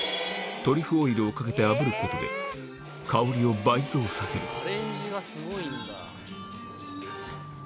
トリュフオイルをかけてあぶることで、香りを倍増させる。